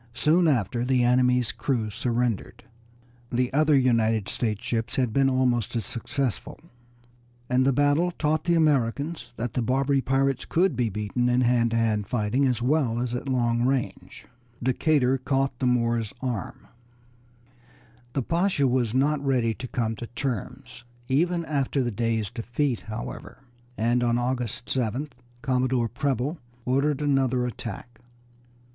Soon after the enemy's crew surrendered. The other United States ships had been almost as successful, and the battle taught the Americans that the Barbary pirates could be beaten in hand to hand fighting as well as at long range. [Illustration: DECATUR CAUGHT THE MOOR'S ARM] The Pasha was not ready to come to terms even after that day's defeat, however, and on August 7th Commodore Preble ordered another attack.